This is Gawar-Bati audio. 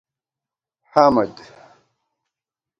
حَمد